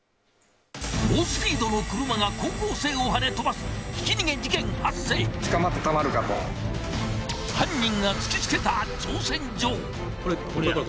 猛スピードの車が高校生をはね飛ばす犯人が突き付けた挑戦状。